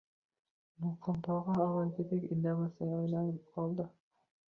Muqim tog`a avvalgidek indamasga aylanib qoldi